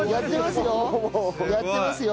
やってますよ。